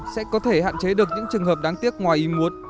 sẽ có thể hạn chế được những trường hợp đáng tiếc ngoài ý muốn